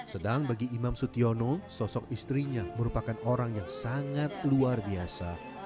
sedang bagi imam sutyono sosok istrinya merupakan orang yang sangat luar biasa